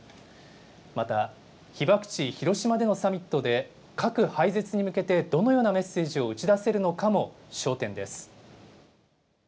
また被爆地、広島でのサミットで、核廃絶に向けてどのようなメッセージを打ち出せるのかも焦点です。